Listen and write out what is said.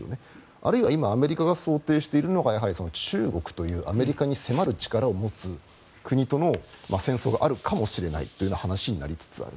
あるいは今、アメリカが想定しているのがやはり中国というアメリカに迫る力を持つ国との戦争があるかもしれないという話になりつつある。